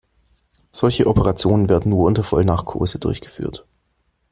Solche Operationen werden nur unter Vollnarkose durchgeführt.